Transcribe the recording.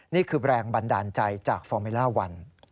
นี่คือแรงบันดาลใจจากฟอร์เมล่าวัน